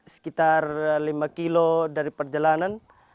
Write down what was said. sekitar lima kilo dari perjalanan